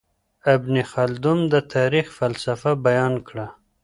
ابن خلدون د تاريخ فلسفه بيان کړه.